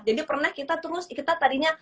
jadi pernah kita terus kita tadinya